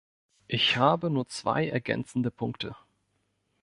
Ich habe nur zwei ergänzende Punkte.